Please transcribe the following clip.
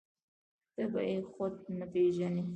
ته به يې خود نه پېژنې.